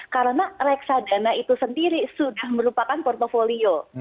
karena reksadana itu sendiri sudah merupakan portofolio